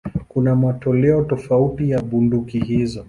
Kuna matoleo tofauti ya bunduki hizo.